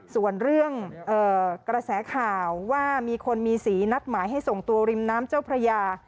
ส่วนเรื่องกระแสข่าวว่ามีคนมีสีนัดหมายให้ส่งตัวริมน้ำเจ้าพระยา